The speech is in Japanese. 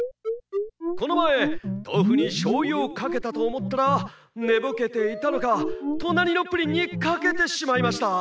このまえとうふにしょうゆをかけたとおもったらねぼけていたのかとなりのプリンにかけてしまいました。